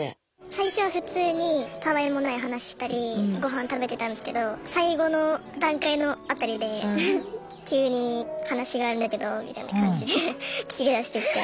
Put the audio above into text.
最初は普通にたわいもない話したり御飯食べてたんですけど最後の段階の辺りで急に「話があるんだけど」みたいな感じで切り出してきて。